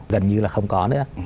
gần như là không có nữa